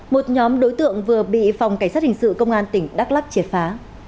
một nhóm đối tượng vừa bị phòng cảnh sát hình sự công an tỉnh đắk lắc triệt phá